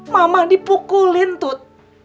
mama dipukulin tut